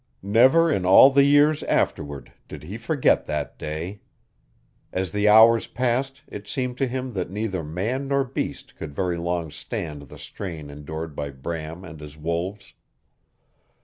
Never in all the years afterward did he forget that day. As the hours passed it seemed to him that neither man nor beast could very long stand the strain endured by Bram and his wolves.